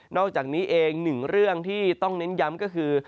อกจากนี้เองหนึ่งเรื่องที่ต้องเน้นย้ำก็คือ